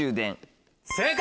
正解！